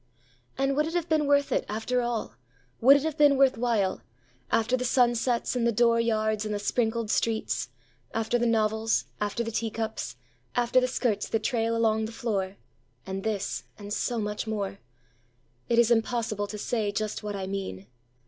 And would it have been worth it, after all, Would it have been worth while, After the sunsets and the dooryards and the sprinkled streets, After the novels, after the teacups, after the skirts that trail along the floor—And this, and so much more?—It is impossible to say just what I mean!